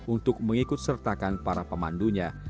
untuk mengikut sertakan para pemandunya